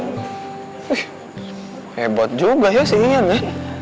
wih hebat juga ya si ian ya